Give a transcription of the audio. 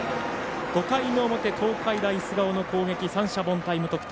５回の表、東海大菅生の攻撃三者凡退、無得点。